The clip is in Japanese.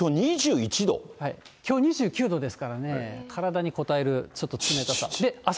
きょう２９度ですからねぇ、体にこたえる、ちょっと冷たさ。